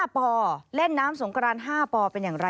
ปอเล่นน้ำสงกราน๕ปอเป็นอย่างไร